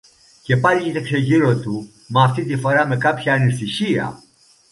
Και πάλι κοίταξε γύρω του, μα αυτή τη φορά με κάποια ανησυχία.